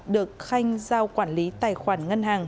được khanh giao quản lý tài khoản ngân hàng